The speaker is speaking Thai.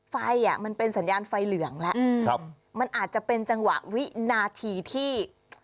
ไฟอ่ะมันเป็นสัญญาณไฟเหลืองแล้วมันอาจจะเป็นจังหวะวินาทีที่